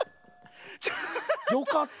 よかった。